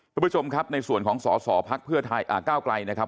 ผู้ผู้ชมครับในส่วนของสศภักษ์เพื่อไทยอ่าก้าวไกลนะครับ